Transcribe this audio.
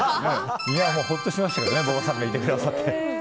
ほっとしましたけどボバさんがいてくださって。